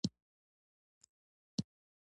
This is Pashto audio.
آیا ناروغ پوښتنه کول د پښتنو ښه عادت نه دی؟